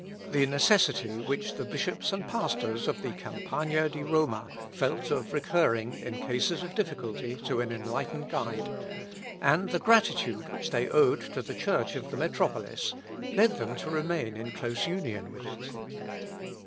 The necessity which the bishops and pastors of the Campagna di Roma felt of recurring in cases of difficulty to an enlightened guide, and the gratitude which they owed to the Church of the metropolis, led them to remain in close union with it.